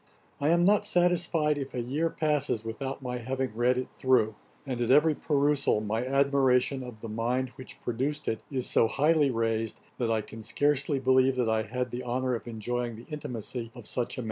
I am not satisfied if a year passes without my having read it through; and at every perusal, my admiration of the mind which produced it is so highly raised, that I can scarcely believe that I had the honour of enjoying the intimacy of such a man.